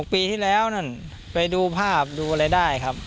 ปีที่แล้วนั่นไปดูภาพดูอะไรได้ครับ